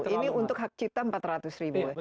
ini untuk hak cipta rp empat ratus